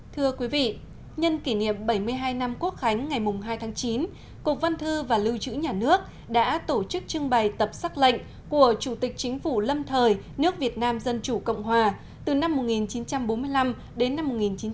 thưa quý vị nhân kỷ niệm bảy mươi hai năm quốc khánh ngày hai tháng chín cục văn thư và lưu trữ nhà nước đã tổ chức trưng bày tập sắc lệnh của chủ tịch chính phủ lâm thời nước việt nam dân chủ cộng hòa từ năm một nghìn chín trăm bốn mươi năm đến năm một nghìn chín trăm bảy mươi năm